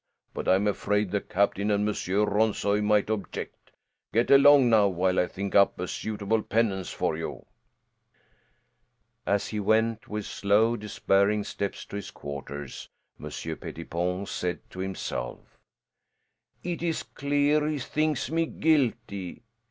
But I'm afraid the captain and Monsieur Ronssoy might object. Get along now, while I think up a suitable penance for you." As he went with slow, despairing steps to his quarters Monsieur Pettipon said to himself, "It is clear he thinks me guilty.